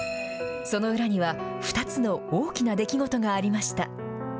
その裏には、２つの大きな出来事がありました。